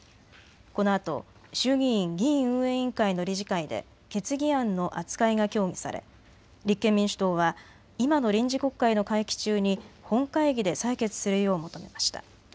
このあと衆議院議院運営委員会の理事会で決議案の扱いが協議され立憲民主党は今の臨時国会の会期中に本会議で採決するよう求めました。